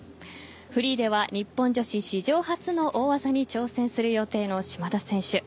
フリーでは日本女子史上初の大技に挑戦する予定の島田選手。